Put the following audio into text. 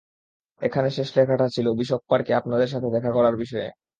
এখানে শেষ লেখাটা ছিল বিশপ পার্কে আপনার সাথে দেখা করার বিষয়ে।